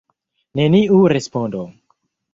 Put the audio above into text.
Neniu respondo.